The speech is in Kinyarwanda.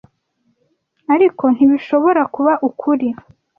ariko ntibishobora kuba ukuri.